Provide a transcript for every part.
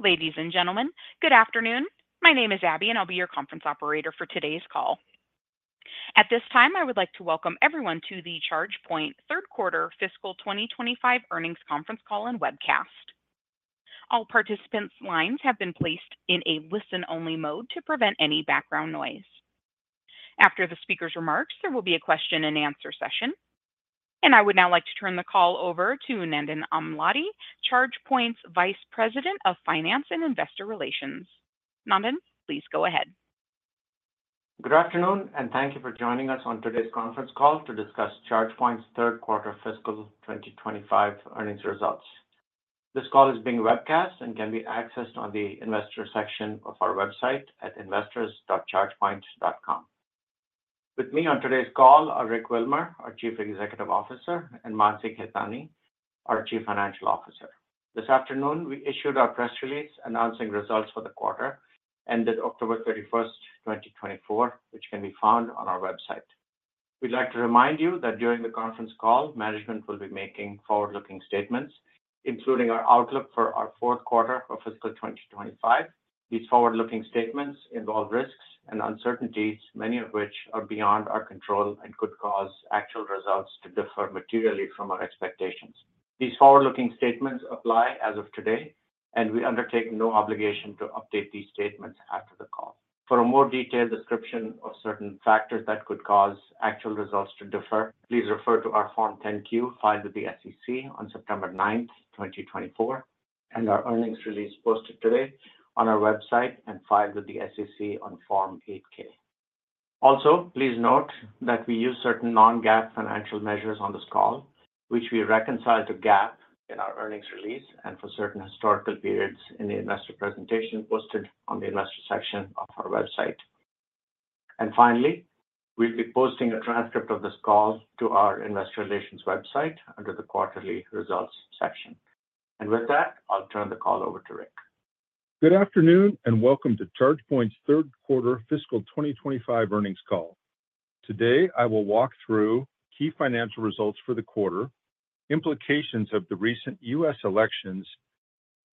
Ladies and gentlemen, good afternoon. My name is Abby, and I'll be your conference operator for today's call. At this time, I would like to welcome everyone to the ChargePoint third quarter fiscal 2025 earnings conference call and webcast. All participants' lines have been placed in a listen-only mode to prevent any background noise. After the speaker's remarks, there will be a question-and-answer session, and I would now like to turn the call over to Nandan Amladi, ChargePoint's Vice President of Finance and Investor Relations. Nandan, please go ahead. Good afternoon, and thank you for joining us on today's conference call to discuss ChargePoint's third quarter fiscal 2025 earnings results. This call is being webcast and can be accessed on the investor section of our website at investors.chargepoint.com. With me on today's call are Rick Wilmer, our Chief Executive Officer, and Mansi Khetani, our Chief Financial Officer. This afternoon, we issued our press release announcing results for the quarter ended October 31st 2024, which can be found on our website. We'd like to remind you that during the conference call, management will be making forward-looking statements, including our outlook for our fourth quarter of fiscal 2025. These forward-looking statements involve risks and uncertainties, many of which are beyond our control and could cause actual results to differ materially from our expectations. These forward-looking statements apply as of today, and we undertake no obligation to update these statements after the call. For a more detailed description of certain factors that could cause actual results to differ, please refer to our Form 10-Q filed with the SEC on September 9th 2024, and our earnings release posted today on our website and filed with the SEC on Form 8-K. Also, please note that we use certain non-GAAP financial measures on this call, which we reconcile to GAAP in our earnings release and for certain historical periods in the investor presentation posted on the investor section of our website. And finally, we'll be posting a transcript of this call to our investor relations website under the quarterly results section. And with that, I'll turn the call over to Rick. Good afternoon and welcome to ChargePoint's third quarter fiscal 2025 earnings call. Today, I will walk through key financial results for the quarter, implications of the recent U.S. elections,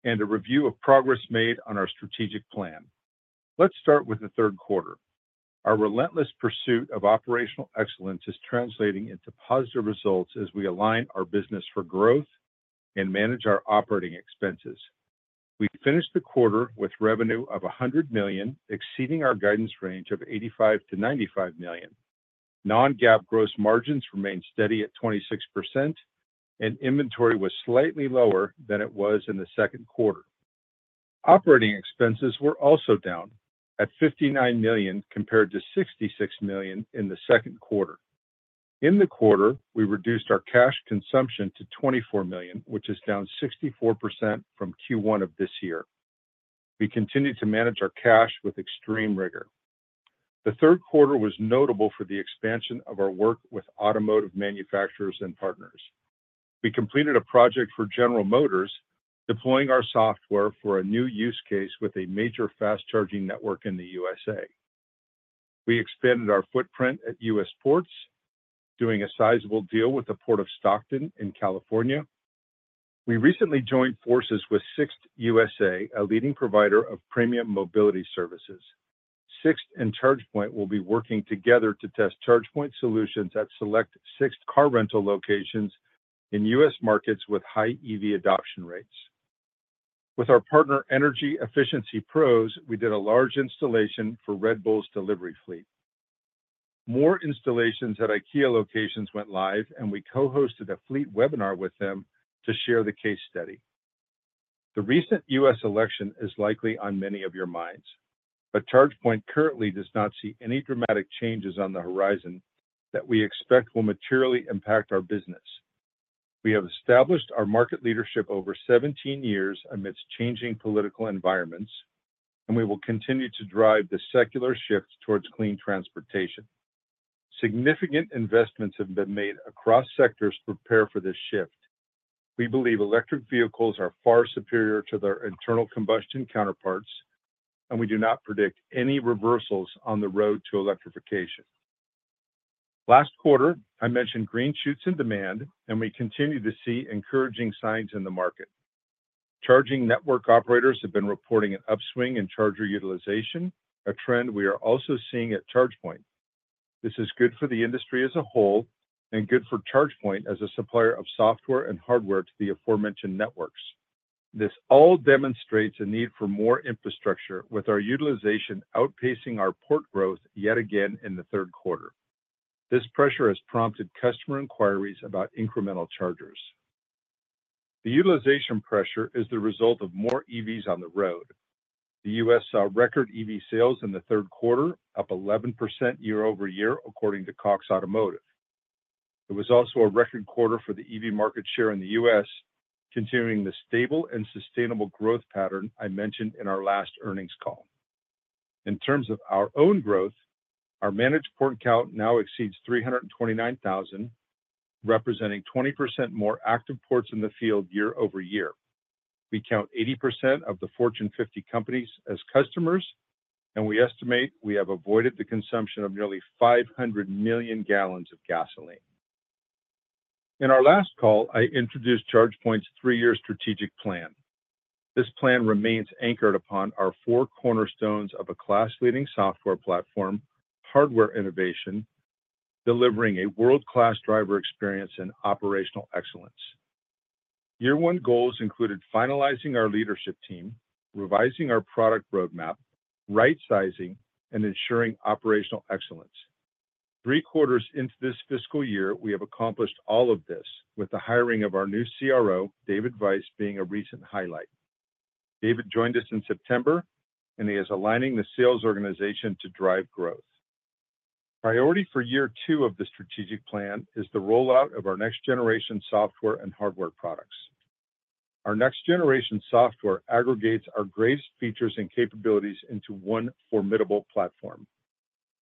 and a review of progress made on our strategic plan. Let's start with the third quarter. Our relentless pursuit of operational excellence is translating into positive results as we align our business for growth and manage our operating expenses. We finished the quarter with revenue of $100 million, exceeding our guidance range of $85-$95 million. Non-GAAP gross margins remained steady at 26%, and inventory was slightly lower than it was in the second quarter. Operating expenses were also down at $59 million compared to $66 million in the second quarter. In the quarter, we reduced our cash consumption to $24 million, which is down 64% from Q1 of this year. We continued to manage our cash with extreme rigor. The third quarter was notable for the expansion of our work with automotive manufacturers and partners. We completed a project for General Motors deploying our software for a new use case with a major fast-charging network in the U.S. We expanded our footprint at U.S. ports, doing a sizable deal with the Port of Stockton in California. We recently joined forces with SIXT USA, a leading provider of premium mobility services. SIXT and ChargePoint will be working together to test ChargePoint solutions at select SIXT car rental locations in U.S. markets with high EV adoption rates. With our partner Energy Efficiency Pros, we did a large installation for Red Bull's delivery fleet. More installations at IKEA locations went live, and we co-hosted a fleet webinar with them to share the case study. The recent U.S. election is likely on many of your minds, but ChargePoint currently does not see any dramatic changes on the horizon that we expect will materially impact our business. We have established our market leadership over 17 years amidst changing political environments, and we will continue to drive the secular shift towards clean transportation. Significant investments have been made across sectors to prepare for this shift. We believe electric vehicles are far superior to their internal combustion counterparts, and we do not predict any reversals on the road to electrification. Last quarter, I mentioned green shoots in demand, and we continue to see encouraging signs in the market. Charging network operators have been reporting an upswing in charger utilization, a trend we are also seeing at ChargePoint. This is good for the industry as a whole and good for ChargePoint as a supplier of software and hardware to the aforementioned networks. This all demonstrates a need for more infrastructure, with our utilization outpacing our port growth yet again in the third quarter. This pressure has prompted customer inquiries about incremental chargers. The utilization pressure is the result of more EVs on the road. The U.S. saw record EV sales in the third quarter, up 11% year over year, according to Cox Automotive. It was also a record quarter for the EV market share in the U.S., continuing the stable and sustainable growth pattern I mentioned in our last earnings call. In terms of our own growth, our managed port count now exceeds 329,000, representing 20% more active ports in the field year over year. We count 80% of the Fortune 50 companies as customers, and we estimate we have avoided the consumption of nearly 500 million gal of gasoline. In our last call, I introduced ChargePoint's three-year strategic plan. This plan remains anchored upon our four cornerstones of a class-leading software platform, hardware innovation, delivering a world-class driver experience and operational excellence. Year one goals included finalizing our leadership team, revising our product roadmap, right-sizing, and ensuring operational excellence. Three quarters into this fiscal year, we have accomplished all of this, with the hiring of our new CRO, David Weiss, being a recent highlight. David joined us in September, and he is aligning the sales organization to drive growth. Priority for year two of the strategic plan is the rollout of our next-generation software and hardware products. Our next-generation software aggregates our greatest features and capabilities into one formidable platform.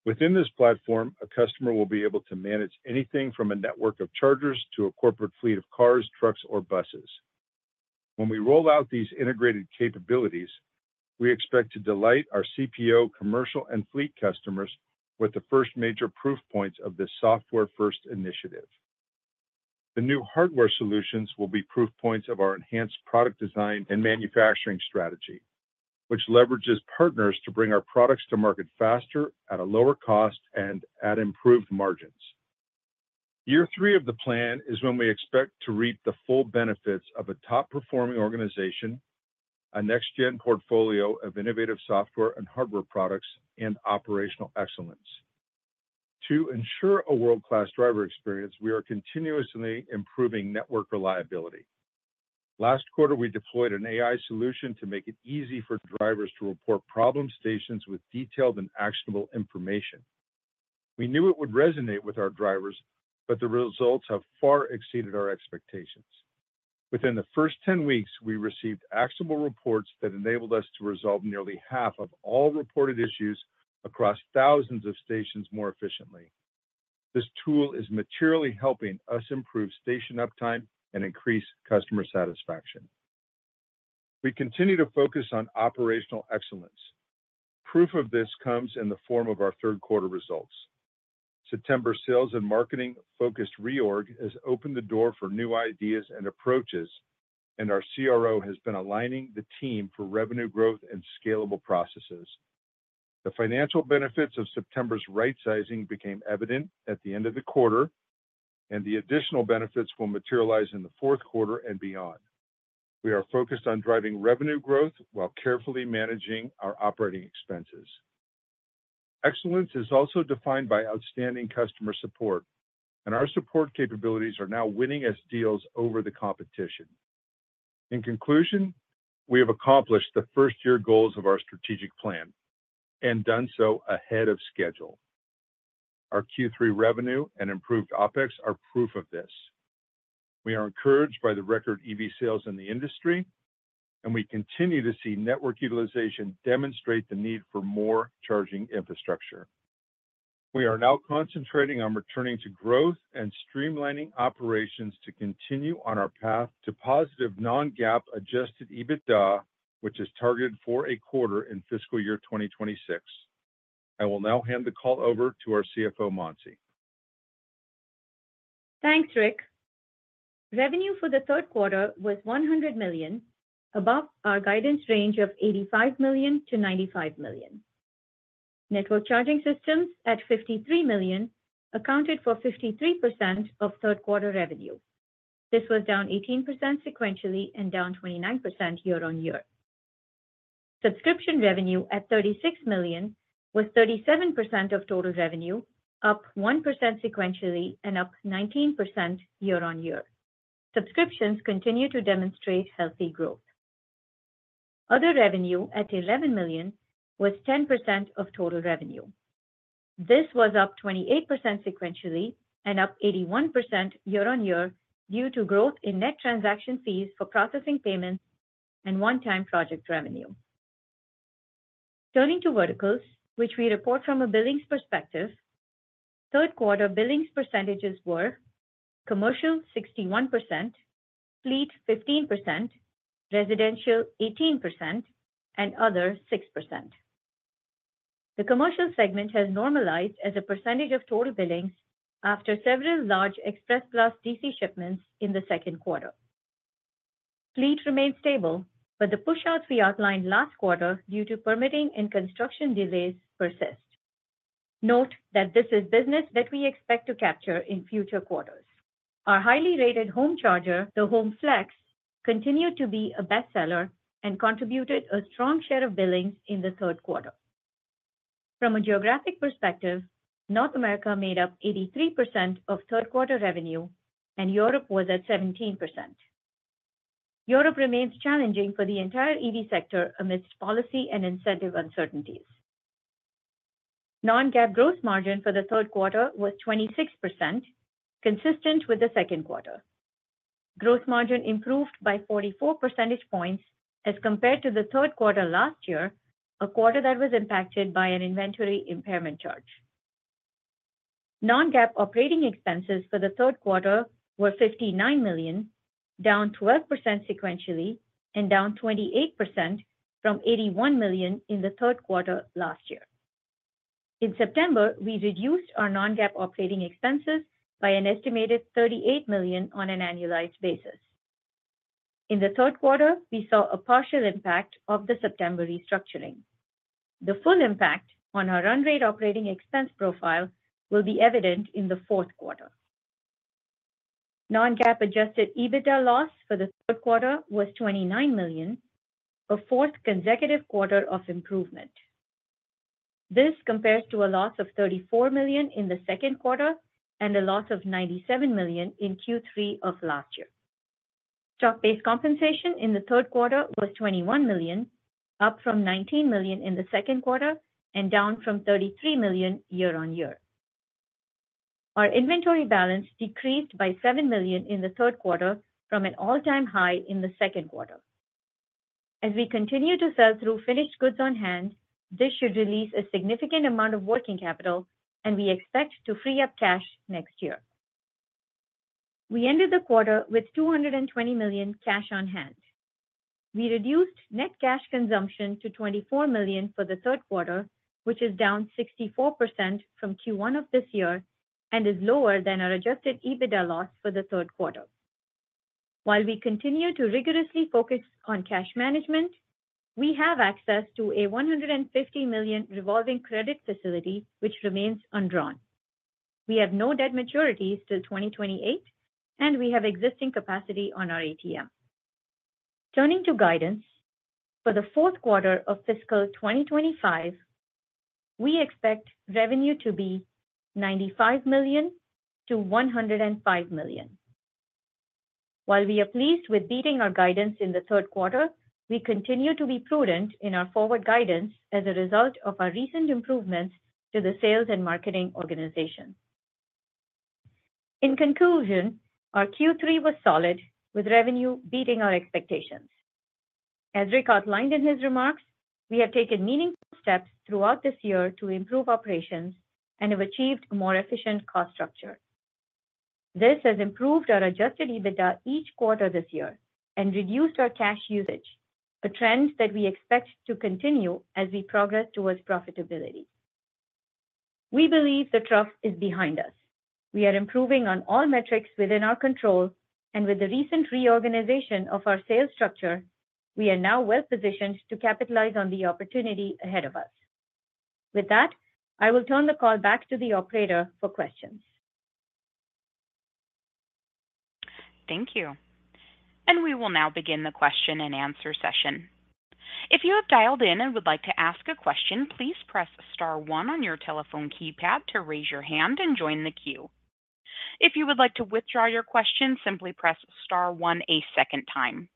Within this platform, a customer will be able to manage anything from a network of chargers to a corporate fleet of cars, trucks, or buses. When we roll out these integrated capabilities, we expect to delight our CPO, commercial, and fleet customers with the first major proof points of this software-first initiative. The new hardware solutions will be proof points of our enhanced product design and manufacturing strategy, which leverages partners to bring our products to market faster, at a lower cost, and at improved margins. Year three of the plan is when we expect to reap the full benefits of a top-performing organization, a next-gen portfolio of innovative software and hardware products, and operational excellence. To ensure a world-class driver experience, we are continuously improving network reliability. Last quarter, we deployed an AI solution to make it easy for drivers to report problem stations with detailed and actionable information. We knew it would resonate with our drivers, but the results have far exceeded our expectations. Within the first 10 weeks, we received actionable reports that enabled us to resolve nearly half of all reported issues across thousands of stations more efficiently. This tool is materially helping us improve station uptime and increase customer satisfaction. We continue to focus on operational excellence. Proof of this comes in the form of our third quarter results. September sales and marketing-focused reorg has opened the door for new ideas and approaches, and our CRO has been aligning the team for revenue growth and scalable processes. The financial benefits of September's right-sizing became evident at the end of the quarter, and the additional benefits will materialize in the fourth quarter and beyond. We are focused on driving revenue growth while carefully managing our operating expenses. Excellence is also defined by outstanding customer support, and our support capabilities are now winning us deals over the competition. In conclusion, we have accomplished the first-year goals of our strategic plan and done so ahead of schedule. Our Q3 revenue and improved OPEX are proof of this. We are encouraged by the record EV sales in the industry, and we continue to see network utilization demonstrate the need for more charging infrastructure. We are now concentrating on returning to growth and streamlining operations to continue on our path to positive non-GAAP adjusted EBITDA, which is targeted for a quarter in fiscal year 2026. I will now hand the call over to our CFO, Mansi. Thanks, Rick. Revenue for the third quarter was $100 million, above our guidance range of $85 million-$95 million. Network charging systems at $53 million accounted for 53% of third quarter revenue. This was down 18% sequentially and down 29% year on year. Subscription revenue at $36 million was 37% of total revenue, up 1% sequentially and up 19% year on year. Subscriptions continue to demonstrate healthy growth. Other revenue at $11 million was 10% of total revenue. This was up 28% sequentially and up 81% year on year due to growth in net transaction fees for processing payments and one-time project revenue. Turning to verticals, which we report from a billings perspective, third-quarter billings percentages were commercial 61%, fleet 15%, residential 18%, and other 6%. The commercial segment has normalized as a percentage of total billings after several large express bus DC shipments in the second quarter. Fleet remained stable, but the push-outs we outlined last quarter due to permitting and construction delays persist. Note that this is business that we expect to capture in future quarters. Our highly rated home charger, the Home Flex, continued to be a best seller and contributed a strong share of billings in the third quarter. From a geographic perspective, North America made up 83% of third quarter revenue, and Europe was at 17%. Europe remains challenging for the entire EV sector amidst policy and incentive uncertainties. Non-GAAP gross margin for the third quarter was 26%, consistent with the second quarter. Gross margin improved by 44 percentage points as compared to the third quarter last year, a quarter that was impacted by an inventory impairment charge. Non-GAAP operating expenses for the third quarter were $59 million, down 12% sequentially and down 28% from $81 million in the third quarter last year. In September, we reduced our non-GAAP operating expenses by an estimated $38 million on an annualized basis. In the third quarter, we saw a partial impact of the September restructuring. The full impact on our run rate operating expense profile will be evident in the fourth quarter. Non-GAAP adjusted EBITDA loss for the third quarter was $29 million, a fourth consecutive quarter of improvement. This compares to a loss of $34 million in the second quarter and a loss of $97 million in Q3 of last year. Stock-based compensation in the third quarter was $21 million, up from $19 million in the second quarter and down from $33 million year on year. Our inventory balance decreased by $7 million in the third quarter from an all-time high in the second quarter. As we continue to sell through finished goods on hand, this should release a significant amount of working capital, and we expect to free up cash next year. We ended the quarter with $220 million cash on hand. We reduced net cash consumption to $24 million for the third quarter, which is down 64% from Q1 of this year and is lower than our adjusted EBITDA loss for the third quarter. While we continue to rigorously focus on cash management, we have access to a $150 million revolving credit facility, which remains undrawn. We have no debt maturity till 2028, and we have existing capacity on our ATM. Turning to guidance, for the fourth quarter of fiscal 2025, we expect revenue to be $95 million-$105 million. While we are pleased with beating our guidance in the third quarter, we continue to be prudent in our forward guidance as a result of our recent improvements to the sales and marketing organization. In conclusion, our Q3 was solid, with revenue beating our expectations. As Rick outlined in his remarks, we have taken meaningful steps throughout this year to improve operations and have achieved a more efficient cost structure. This has improved our Adjusted EBITDA each quarter this year and reduced our cash usage, a trend that we expect to continue as we progress towards profitability. We believe the trough is behind us. We are improving on all metrics within our control, and with the recent reorganization of our sales structure, we are now well-positioned to capitalize on the opportunity ahead of us. With that, I will turn the call back to the operator for questions. Thank you. And we will now begin the question and answer session. If you have dialed in and would like to ask a question, please press star one on your telephone keypad to raise your hand and join the queue. If you would like to withdraw your question, simply press star one a second time.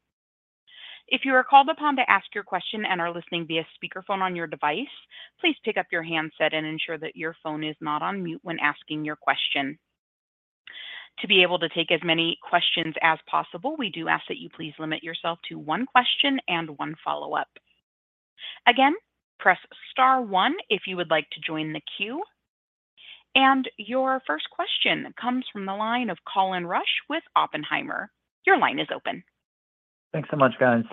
If you are called upon to ask your question and are listening via speakerphone on your device, please pick up your handset and ensure that your phone is not on mute when asking your question. To be able to take as many questions as possible, we do ask that you please limit yourself to one question and one follow-up. Again, press star one if you would like to join the queue. And your first question comes from the line of Colin Rusch with Oppenheimer. Your line is open. Thanks so much, guys.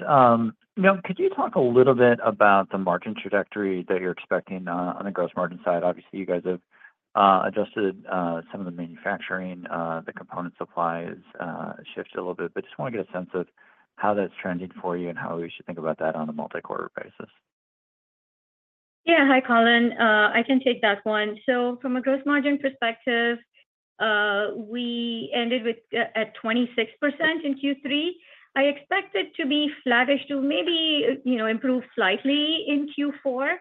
Now, could you talk a little bit about the margin trajectory that you're expecting on the gross margin side? Obviously, you guys have adjusted some of the manufacturing. The component supplies shifted a little bit, but just want to get a sense of how that's trending for you and how we should think about that on a multi-quarter basis. Yeah. Hi, Colin. I can take that one. So from a gross margin perspective, we ended at 26% in Q3. I expect it to be flattish, to maybe improve slightly in Q4,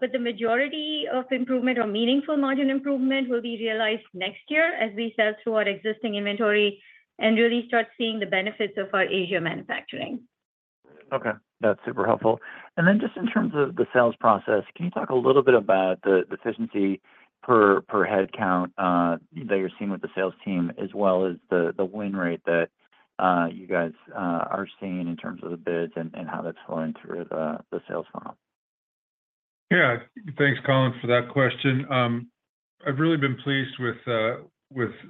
but the majority of improvement or meaningful margin improvement will be realized next year as we sell through our existing inventory and really start seeing the benefits of our Asia manufacturing. Okay. That's super helpful. And then just in terms of the sales process, can you talk a little bit about the efficiency per head count that you're seeing with the sales team, as well as the win rate that you guys are seeing in terms of the bids and how that's flowing through the sales funnel? Yeah. Thanks, Colin, for that question. I've really been pleased with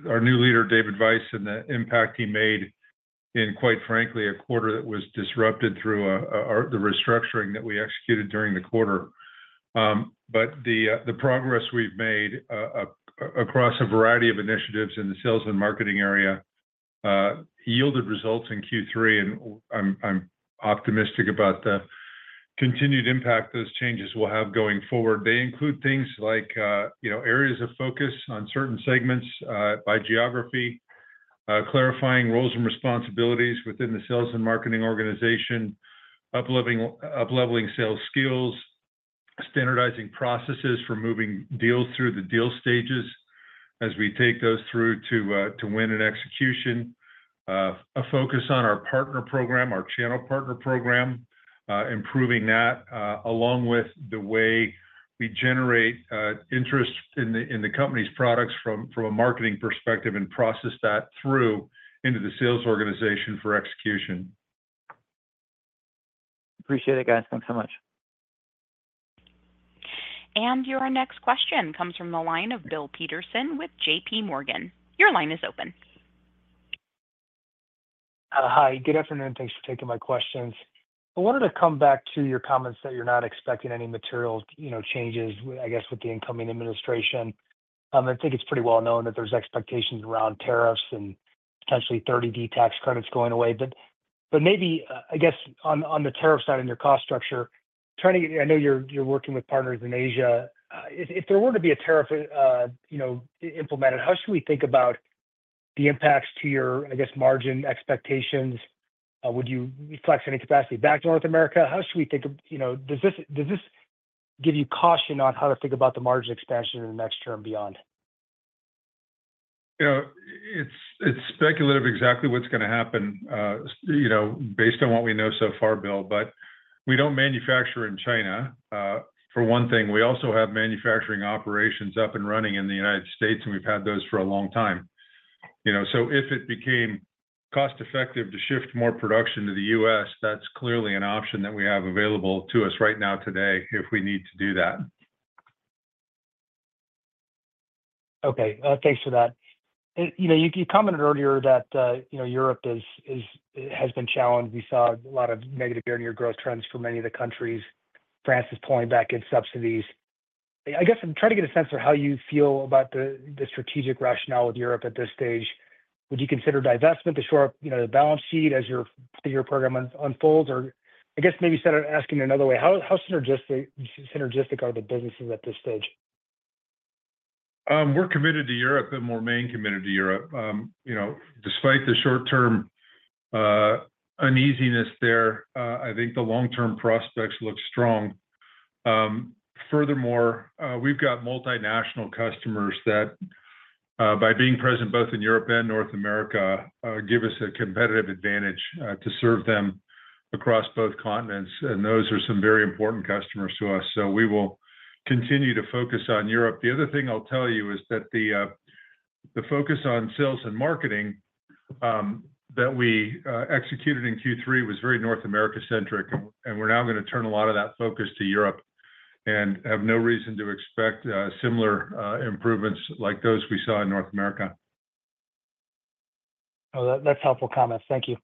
our new leader, David Weiss, and the impact he made in, quite frankly, a quarter that was disrupted through the restructuring that we executed during the quarter. But the progress we've made across a variety of initiatives in the sales and marketing area yielded results in Q3, and I'm optimistic about the continued impact those changes will have going forward. They include things like areas of focus on certain segments by geography, clarifying roles and responsibilities within the sales and marketing organization, upleveling sales skills, standardizing processes for moving deals through the deal stages as we take those through to win an execution, a focus on our partner program, our channel partner program, improving that, along with the way we generate interest in the company's products from a marketing perspective and process that through into the sales organization for execution. Appreciate it, guys. Thanks so much. And your next question comes from the line of Bill Peterson with JPMorgan. Your line is open. Hi. Good afternoon. Thanks for taking my questions. I wanted to come back to your comments that you're not expecting any material changes, I guess, with the incoming administration. I think it's pretty well known that there's expectations around tariffs and potentially 30D tax credits going away. But maybe, I guess, on the tariff side and your cost structure, I know you're working with partners in Asia. If there were to be a tariff implemented, how should we think about the impacts to your, I guess, margin expectations? Would you flex any capacity back to North America? Does this give you caution on how to think about the margin expansion in the next term beyond? It's speculative exactly what's going to happen based on what we know so far, Bill. But we don't manufacture in China, for one thing. We also have manufacturing operations up and running in the United States, and we've had those for a long time. So if it became cost-effective to shift more production to the U.S., that's clearly an option that we have available to us right now today if we need to do that. Okay. Thanks for that. You commented earlier that Europe has been challenged. We saw a lot of negative year-on-year growth trends for many of the countries. France is pulling back its subsidies. I guess I'm trying to get a sense of how you feel about the strategic rationale with Europe at this stage. Would you consider divestment to shore up the balance sheet as your program unfolds? Or I guess maybe instead of asking it another way, how synergistic are the businesses at this stage? We're committed to Europe and more importantly committed to Europe. Despite the short-term uneasiness there, I think the long-term prospects look strong. Furthermore, we've got multinational customers that, by being present both in Europe and North America, give us a competitive advantage to serve them across both continents. And those are some very important customers to us. So we will continue to focus on Europe. The other thing I'll tell you is that the focus on sales and marketing that we executed in Q3 was very North America-centric, and we're now going to turn a lot of that focus to Europe and have no reason to expect similar improvements like those we saw in North America. Oh, that's helpful comments. Thank you.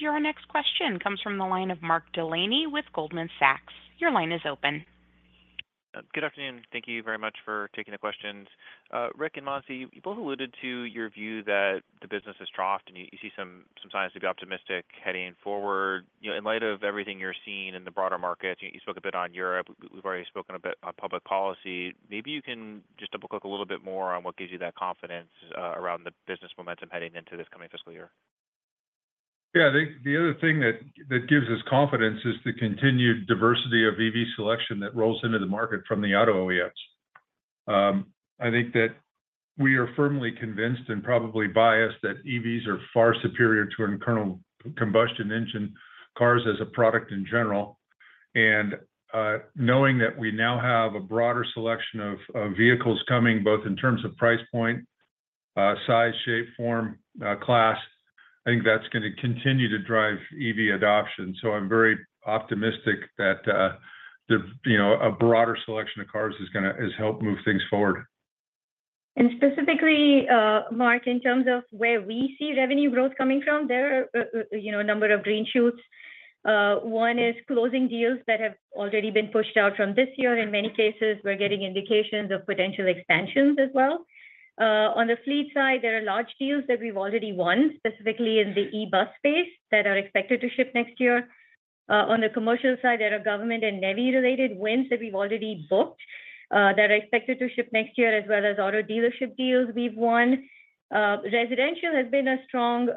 Your next question comes from the line of Mark Delaney with Goldman Sachs. Your line is open. Good afternoon. Thank you very much for taking the questions. Rick and Mansi, you both alluded to your view that the business is troughed and you see some signs to be optimistic heading forward. In light of everything you're seeing in the broader markets, you spoke a bit on Europe. We've already spoken a bit on public policy. Maybe you can just double-click a little bit more on what gives you that confidence around the business momentum heading into this coming fiscal year. Yeah. I think the other thing that gives us confidence is the continued diversity of EV selection that rolls into the market from the auto OES. I think that we are firmly convinced and probably biased that EVs are far superior to internal combustion engine cars as a product in general. And knowing that we now have a broader selection of vehicles coming, both in terms of price point, size, shape, form, class, I think that's going to continue to drive EV adoption. So I'm very optimistic that a broader selection of cars is going to help move things forward. And specifically, Mark, in terms of where we see revenue growth coming from, there are a number of green shoots. One is closing deals that have already been pushed out from this year. In many cases, we're getting indications of potential expansions as well. On the fleet side, there are large deals that we've already won, specifically in the e-bus space that are expected to ship next year. On the commercial side, there are government and U.S. Navy-related wins that we've already booked that are expected to ship next year, as well as auto dealership deals we've won. Residential has been a strong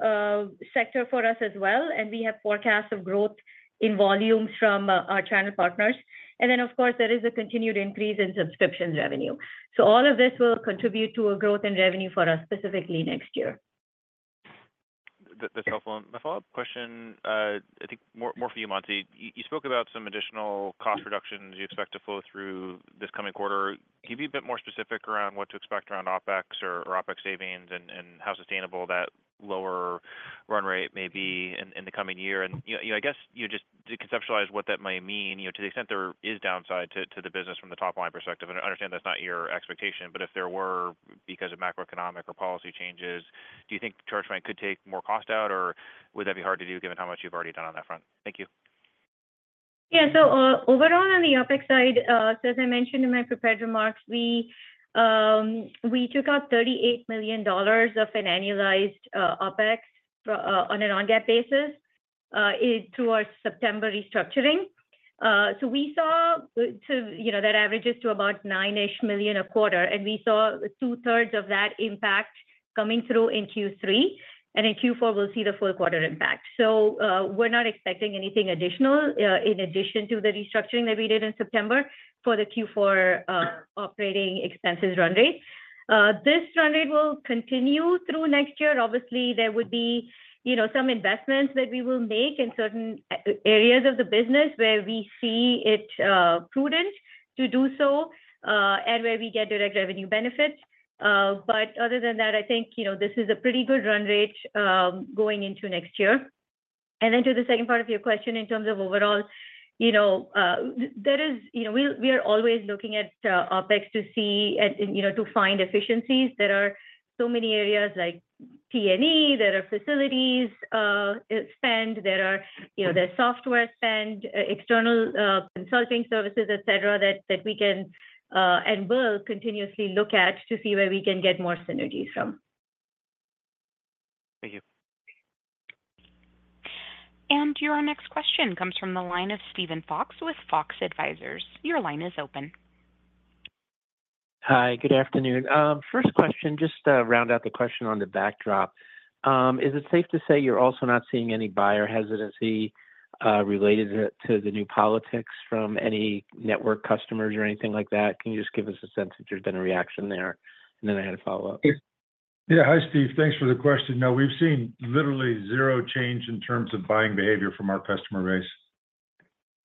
sector for us as well, and we have forecasts of growth in volumes from our channel partners. And then, of course, there is a continued increase in subscription revenue. So all of this will contribute to a growth in revenue for us specifically next year. That's helpful. My follow-up question, I think more for you, Mansi. You spoke about some additional cost reductions you expect to flow through this coming quarter. Can you be a bit more specific around what to expect around OPEX or OPEX savings and how sustainable that lower run rate may be in the coming year? And I guess you just conceptualize what that might mean to the extent there is downside to the business from the top-line perspective. I understand that's not your expectation, but if there were, because of macroeconomic or policy changes, do you think ChargePoint could take more cost out, or would that be hard to do given how much you've already done on that front? Thank you. Yeah. So overall, on the OPEX side, so as I mentioned in my prepared remarks, we took out $38 million of an annualized OPEX on a non-GAAP basis through our September restructuring. So we saw that averages to about nine-ish million a quarter. And we saw 2/3 of that impact coming through in Q3. And in Q4, we'll see the full quarter impact. So we're not expecting anything additional in addition to the restructuring that we did in September for the Q4 operating expenses run rate. This run rate will continue through next year. Obviously, there would be some investments that we will make in certain areas of the business where we see it prudent to do so and where we get direct revenue benefits. But other than that, I think this is a pretty good run rate going into next year. And then, to the second part of your question, in terms of overall, there, we are always looking at OPEX to see and to find efficiencies. There are so many areas like T&E, there are facilities spend, there are software spend, external consulting services, etc., that we can and will continuously look at to see where we can get more synergies from. Thank you. And your next question comes from the line of Steven Fox with Fox Advisors. Your line is open. Hi. Good afternoon. First question, just to round out the question on the backdrop, is it safe to say you're also not seeing any buyer hesitancy related to the new politics from any network customers or anything like that? Can you just give us a sense of there's been a reaction there? And then I had a follow-up. Yeah. Hi, Steve. Thanks for the question. No, we've seen literally zero change in terms of buying behavior from our customer base.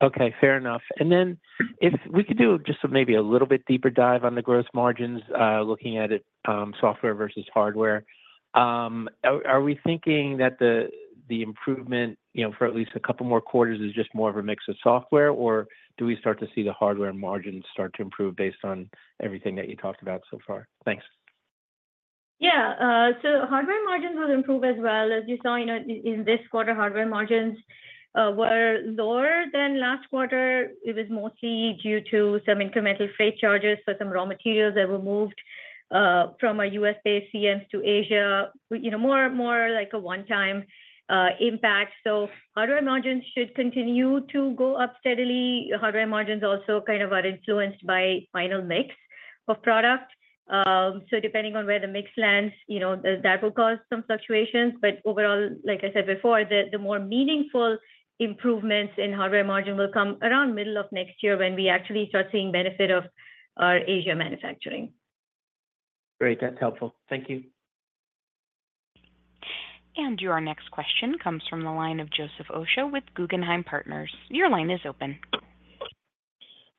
Okay. Fair enough. And then if we could do just maybe a little bit deeper dive on the gross margins looking at it software versus hardware, are we thinking that the improvement for at least a couple more quarters is just more of a mix of software, or do we start to see the hardware margins start to improve based on everything that you talked about so far? Thanks. Yeah. So hardware margins will improve as well. As you saw in this quarter, hardware margins were lower than last quarter. It was mostly due to some incremental freight charges for some raw materials that were moved from our U.S.-based CMs to Asia, more like a one-time impact. So hardware margins should continue to go up steadily. Hardware margins also kind of are influenced by final mix of product. So depending on where the mix lands, that will cause some fluctuations. But overall, like I said before, the more meaningful improvements in hardware margin will come around the middle of next year when we actually start seeing benefit of our Asia manufacturing. Great. That's helpful. Thank you. Your next question comes from the line of Joseph Osha with Guggenheim Partners. Your line is open.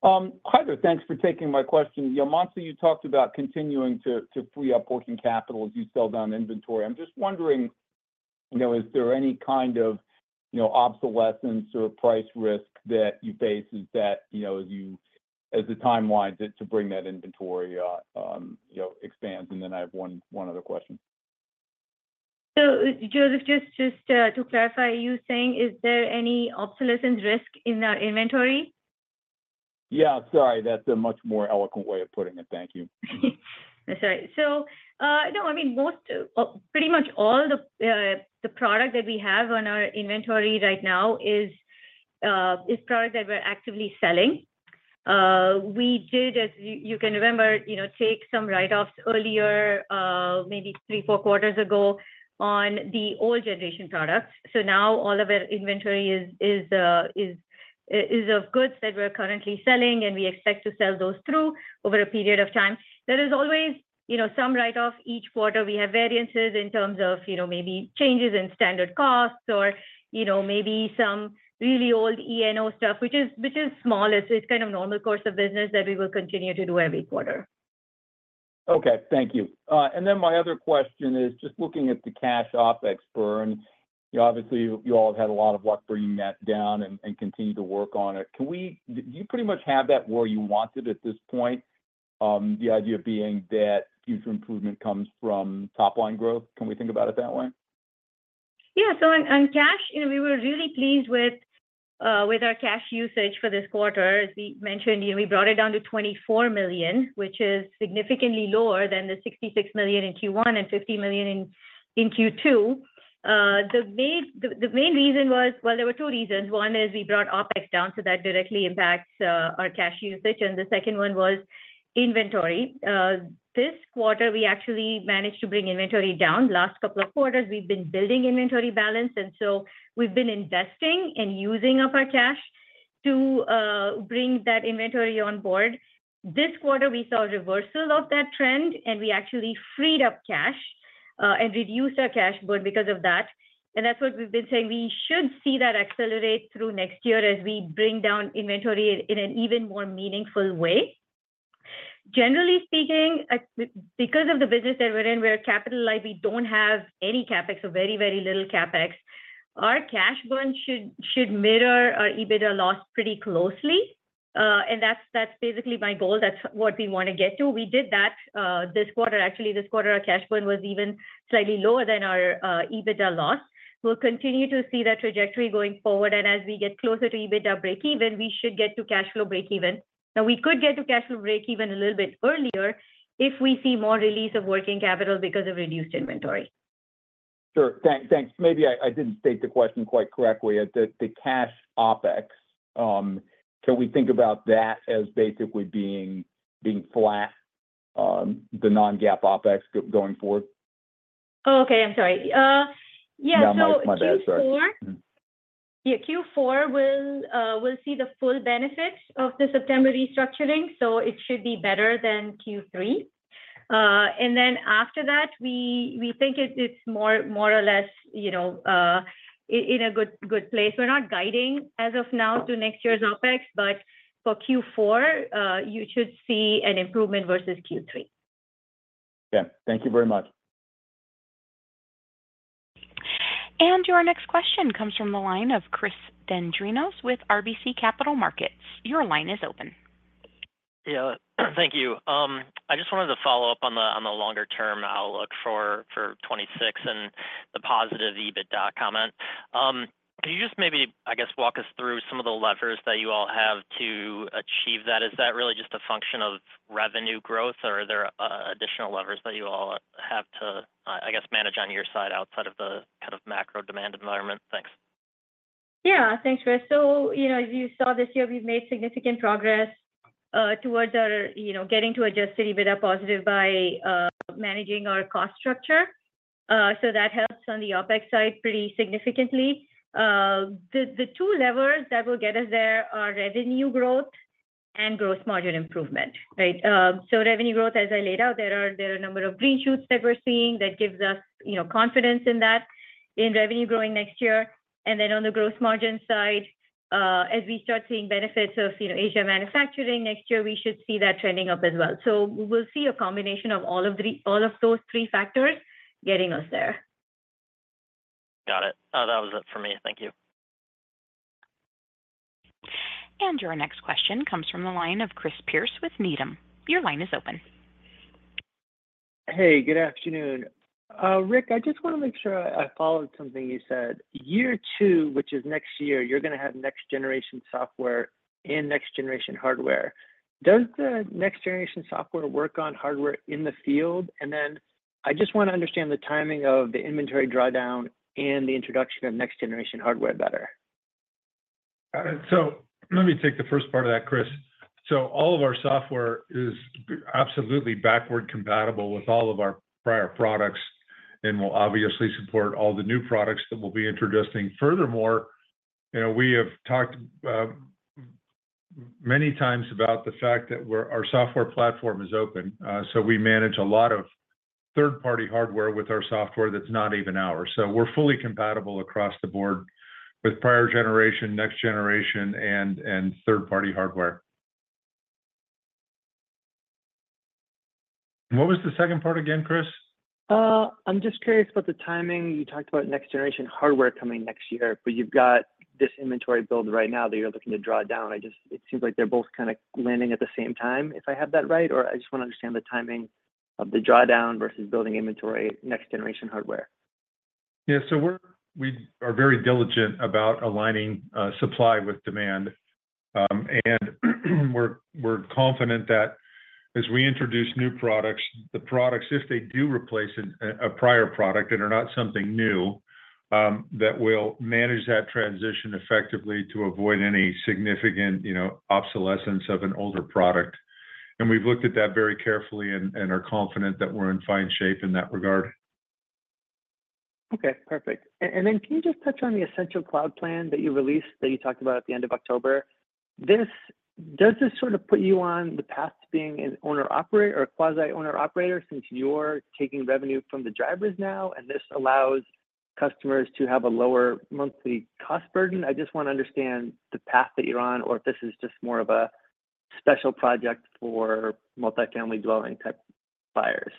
Hi there. Thanks for taking my question. Mansi, you talked about continuing to free up working capital as you sell down inventory. I'm just wondering, is there any kind of obsolescence or price risk that you face as the timeline to bring that inventory expands? And then I have one other question. Joseph, just to clarify, are you saying is there any obsolescence risk in our inventory? Yeah. Sorry. That's a much more eloquent way of putting it. Thank you. Sorry, so no, I mean, pretty much all the product that we have on our inventory right now is product that we're actively selling. We did, as you can remember, take some write-offs earlier, maybe three, four quarters ago on the old generation products, so now all of our inventory is of goods that we're currently selling, and we expect to sell those through over a period of time. There is always some write-off each quarter. We have variances in terms of maybe changes in standard costs or maybe some really old E&O stuff, which is small. It's kind of normal course of business that we will continue to do every quarter. Okay. Thank you. And then my other question is just looking at the cash OPEX burn. Obviously, you all have had a lot of luck bringing that down and continue to work on it. Do you pretty much have that where you want it at this point? The idea being that future improvement comes from top-line growth. Can we think about it that way? Yeah. So on cash, we were really pleased with our cash usage for this quarter. As we mentioned, we brought it down to $24 million, which is significantly lower than the $66 million in Q1 and $50 million in Q2. The main reason was, well, there were two reasons. One is we brought OPEX down, so that directly impacts our cash usage. And the second one was inventory. This quarter, we actually managed to bring inventory down. Last couple of quarters, we've been building inventory balance. And so we've been investing and using up our cash to bring that inventory on board. This quarter, we saw a reversal of that trend, and we actually freed up cash and reduced our cash burden because of that. And that's what we've been saying. We should see that accelerate through next year as we bring down inventory in an even more meaningful way. Generally speaking, because of the business that we're in, we're a capital-light. We don't have any CapEx, so very, very little CapEx. Our cash burn should mirror our EBITDA loss pretty closely. And that's basically my goal. That's what we want to get to. We did that this quarter. Actually, this quarter, our cash burn was even slightly lower than our EBITDA loss. We'll continue to see that trajectory going forward. And as we get closer to EBITDA breakeven, we should get to cash flow breakeven. Now, we could get to cash flow breakeven a little bit earlier if we see more release of working capital because of reduced inventory. Sure. Thanks. Maybe I didn't state the question quite correctly. The cash OPEX, can we think about that as basically being flat, the non-GAAP OPEX going forward? Oh, okay. I'm sorry. Yeah. So Q4. No, that's my bad. Sorry. Yeah. Q4, we'll see the full benefits of the September restructuring. So it should be better than Q3, and then after that, we think it's more or less in a good place. We're not guiding as of now to next year's OPEX, but for Q4, you should see an improvement versus Q3. Okay. Thank you very much. And your next question comes from the line of Chris Dendrinos with RBC Capital Markets. Your line is open. Yeah. Thank you. I just wanted to follow up on the longer-term outlook for 2026 and the positive EBITDA comment. Can you just maybe, I guess, walk us through some of the levers that you all have to achieve that? Is that really just a function of revenue growth, or are there additional levers that you all have to, I guess, manage on your side outside of the kind of macro demand environment? Thanks. Yeah. Thanks, Chris. So as you saw this year, we've made significant progress towards getting to Adjusted EBITDA positive by managing our cost structure. So that helps on the OPEX side pretty significantly. The two levers that will get us there are revenue growth and gross margin improvement, right? So revenue growth, as I laid out, there are a number of green shoots that we're seeing that gives us confidence in that, in revenue growing next year. And then on the gross margin side, as we start seeing benefits of Asia manufacturing next year, we should see that trending up as well. So we'll see a combination of all of those three factors getting us there. Got it. That was it for me. Thank you. Your next question comes from the line of Chris Pierce with Needham. Your line is open. Hey, good afternoon. Rick, I just want to make sure I followed something you said. Year two, which is next year, you're going to have next-generation software and next-generation hardware. Does the next-generation software work on hardware in the field? And then I just want to understand the timing of the inventory drawdown and the introduction of next-generation hardware better. So let me take the first part of that, Chris. So all of our software is absolutely backward compatible with all of our prior products and will obviously support all the new products that we'll be introducing. Furthermore, we have talked many times about the fact that our software platform is open. So we manage a lot of third-party hardware with our software that's not even ours. So we're fully compatible across the board with prior generation, next-generation, and third-party hardware. What was the second part again, Chris? I'm just curious about the timing. You talked about next-generation hardware coming next year, but you've got this inventory build right now that you're looking to draw down. It seems like they're both kind of landing at the same time, if I have that right, or I just want to understand the timing of the drawdown versus building inventory, next-generation hardware. Yeah. So we are very diligent about aligning supply with demand. And we're confident that as we introduce new products, the products, if they do replace a prior product and are not something new, that we'll manage that transition effectively to avoid any significant obsolescence of an older product. And we've looked at that very carefully and are confident that we're in fine shape in that regard. Okay. Perfect. And then can you just touch on the Essential Cloud Plan that you released that you talked about at the end of October? Does this sort of put you on the path to being an owner-operator or a quasi-owner-operator since you're taking revenue from the drivers now, and this allows customers to have a lower monthly cost burden? I just want to understand the path that you're on or if this is just more of a special project for multifamily dwelling-type buyers.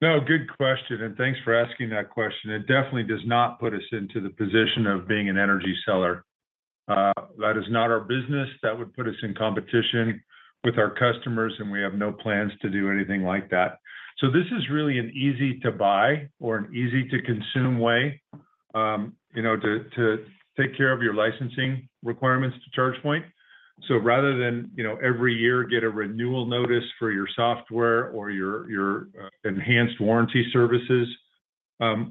No, good question. And thanks for asking that question. It definitely does not put us into the position of being an energy seller. That is not our business. That would put us in competition with our customers, and we have no plans to do anything like that. So this is really an easy-to-buy or an easy-to-consume way to take care of your licensing requirements to ChargePoint. So rather than every year get a renewal notice for your software or your enhanced warranty services,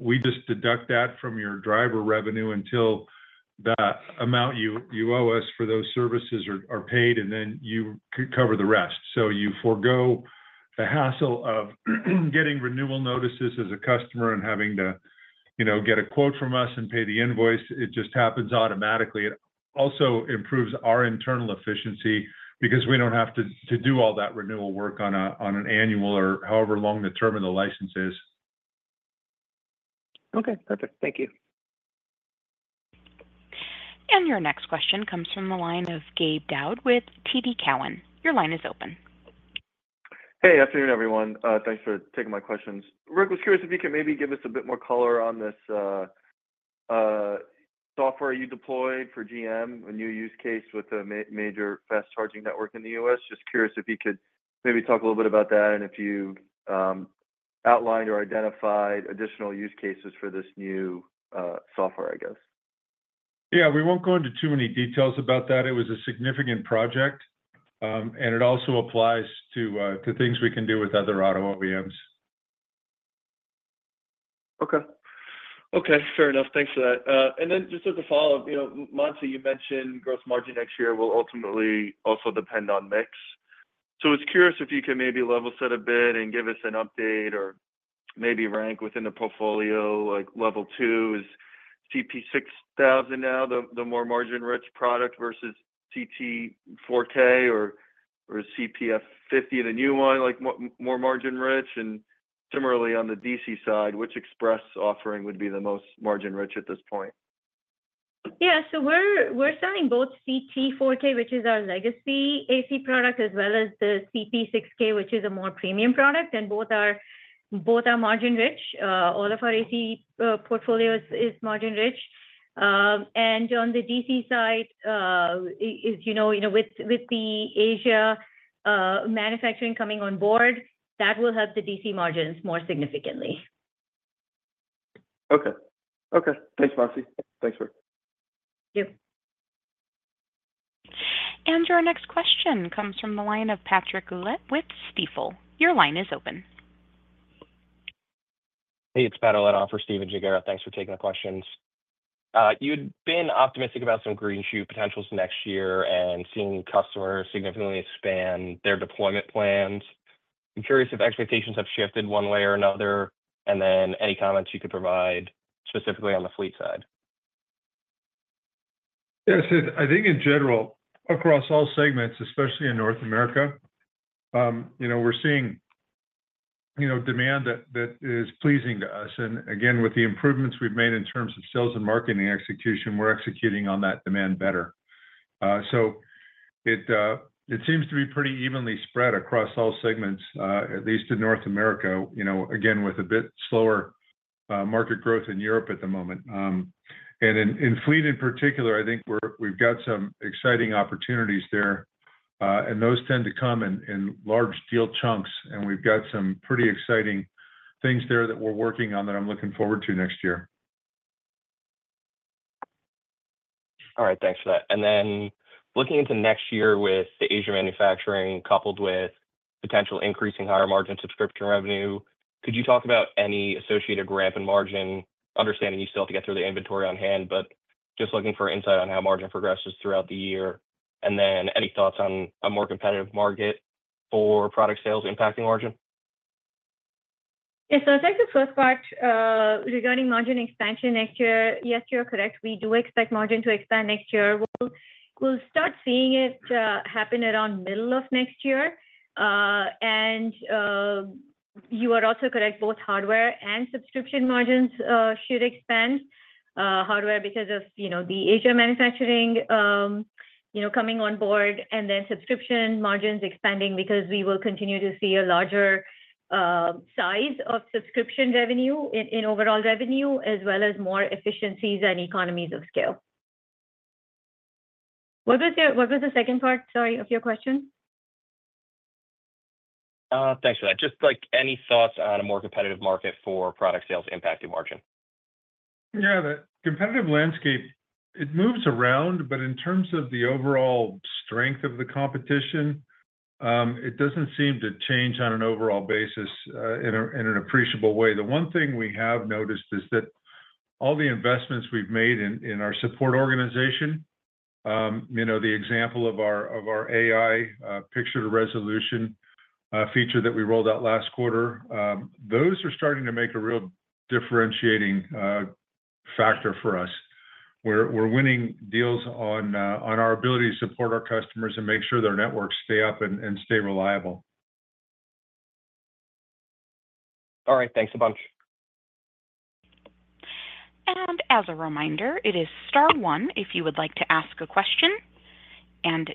we just deduct that from your driver revenue until the amount you owe us for those services are paid, and then you cover the rest. So you forgo the hassle of getting renewal notices as a customer and having to get a quote from us and pay the invoice. It just happens automatically. It also improves our internal efficiency because we don't have to do all that renewal work on an annual or however long the term of the license is. Okay. Perfect. Thank you. Your next question comes from the line of Gabe Daoud with TD Cowen. Your line is open. Hey, afternoon, everyone. Thanks for taking my questions. Rick was curious if you could maybe give us a bit more color on this software you deployed for GM, a new use case with a major fast charging network in the U.S. Just curious if you could maybe talk a little bit about that and if you outlined or identified additional use cases for this new software, I guess. Yeah. We won't go into too many details about that. It was a significant project, and it also applies to things we can do with other auto OEMs. Okay. Okay. Fair enough. Thanks for that. And then just as a follow-up, Mansi, you mentioned gross margin next year will ultimately also depend on mix. So I was curious if you could maybe level set a bit and give us an update or maybe rank within the portfolio. Level two is CP6000 now, the more margin-rich product versus CT4K or CP50, the new one, more margin-rich. And similarly, on the DC side, which Express offering would be the most margin-rich at this point? Yeah. So we're selling both CT4K, which is our legacy AC product, as well as the CP6K, which is a more premium product, and both are margin-rich. All of our AC portfolio is margin-rich. And on the DC side, as you know, with the Asia manufacturing coming on board, that will help the DC margins more significantly. Okay. Okay. Thanks, Mansi. Thanks, Rick. Thank you. And your next question comes from the line of [Patrick Lett] with Stifel. Your line is open. Hey, it's [Patrick Lett for Stifel]. Thanks for taking the questions. You had been optimistic about some green shoot potentials next year and seeing customers significantly expand their deployment plans. I'm curious if expectations have shifted one way or another, and then any comments you could provide specifically on the fleet side. Yeah, so I think in general, across all segments, especially in North America, we're seeing demand that is pleasing to us, and again, with the improvements we've made in terms of sales and marketing execution, we're executing on that demand better, so it seems to be pretty evenly spread across all segments, at least in North America, again, with a bit slower market growth in Europe at the moment, and in fleet in particular, I think we've got some exciting opportunities there, and those tend to come in large deal chunks, and we've got some pretty exciting things there that we're working on that I'm looking forward to next year. All right. Thanks for that. And then looking into next year with the Asia manufacturing coupled with potential increasing higher margin subscription revenue, could you talk about any associated ramp in margin, understanding you still have to get through the inventory on hand, but just looking for insight on how margin progresses throughout the year? And then any thoughts on a more competitive market for product sales impacting margin? Yeah. So I'll take the first part regarding margin expansion next year. Yes, you're correct. We do expect margin to expand next year. We'll start seeing it happen around middle of next year. And you are also correct. Both hardware and subscription margins should expand, hardware because of the Asia manufacturing coming on board, and then subscription margins expanding because we will continue to see a larger size of subscription revenue in overall revenue, as well as more efficiencies and economies of scale. What was the second part, sorry, of your question? Thanks for that. Just any thoughts on a more competitive market for product sales impacting margin? Yeah. The competitive landscape, it moves around, but in terms of the overall strength of the competition, it doesn't seem to change on an overall basis in an appreciable way. The one thing we have noticed is that all the investments we've made in our support organization, the example of our AI picture-to-resolution feature that we rolled out last quarter, those are starting to make a real differentiating factor for us. We're winning deals on our ability to support our customers and make sure their networks stay up and stay reliable. All right. Thanks a bunch. As a reminder, it is star one if you would like to ask a question.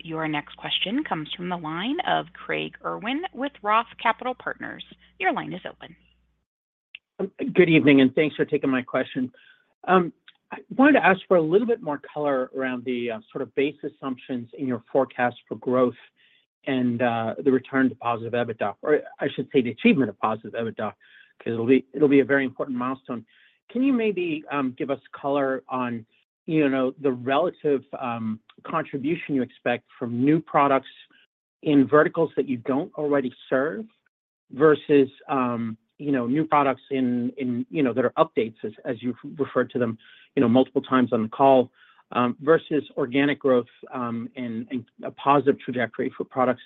Your next question comes from the line of Craig Irwin with Roth Capital Partners. Your line is open. Good evening, and thanks for taking my question. I wanted to ask for a little bit more color around the sort of base assumptions in your forecast for growth and the return to positive EBITDA, or I should say the achievement of positive EBITDA because it'll be a very important milestone. Can you maybe give us color on the relative contribution you expect from new products in verticals that you don't already serve versus new products that are updates, as you've referred to them multiple times on the call, versus organic growth and a positive trajectory for products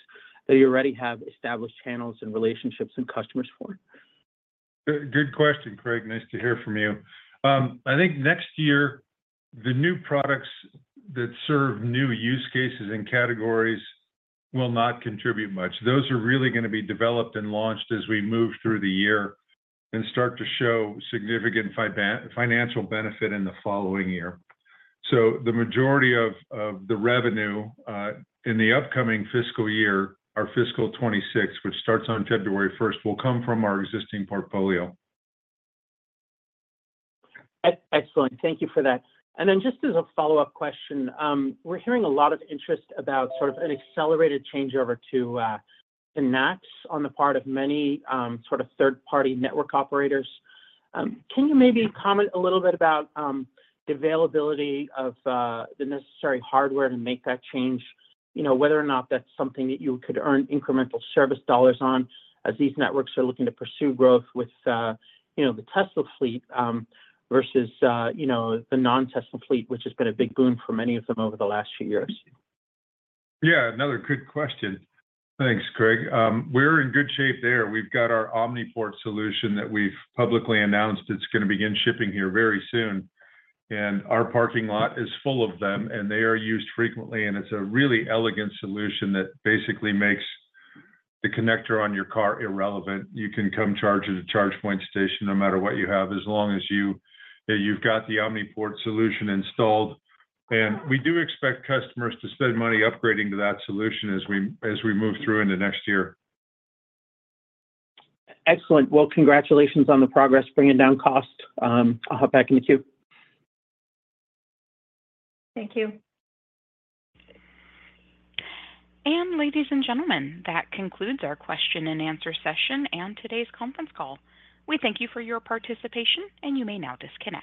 that you already have established channels and relationships and customers for? Good question, Craig. Nice to hear from you. I think next year, the new products that serve new use cases and categories will not contribute much. Those are really going to be developed and launched as we move through the year and start to show significant financial benefit in the following year. So the majority of the revenue in the upcoming fiscal year, our fiscal 2026, which starts on February 1st, will come from our existing portfolio. Excellent. Thank you for that. And then just as a follow-up question, we're hearing a lot of interest about sort of an accelerated changeover to NACS on the part of many sort of third-party network operators. Can you maybe comment a little bit about the availability of the necessary hardware to make that change, whether or not that's something that you could earn incremental service dollars on as these networks are looking to pursue growth with the Tesla fleet versus the non-Tesla fleet, which has been a big boom for many of them over the last few years? Yeah. Another good question. Thanks, Craig. We're in good shape there. We've got our OmniPort solution that we've publicly announced it's going to begin shipping here very soon. And our parking lot is full of them, and they are used frequently. And it's a really elegant solution that basically makes the connector on your car irrelevant. You can come charge at a ChargePoint station no matter what you have, as long as you've got the OmniPort solution installed. And we do expect customers to spend money upgrading to that solution as we move through into next year. Excellent. Well, congratulations on the progress bringing down cost. I'll hop back in the queue. Thank you. And ladies and gentlemen, that concludes our question and answer session and today's conference call. We thank you for your participation, and you may now disconnect.